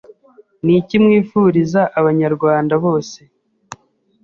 Ni iki mwifuriza Abanyarwanda bose